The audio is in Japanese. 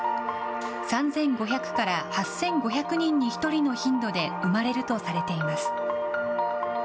３５００から８５００人に１人の頻度で生まれるとされています。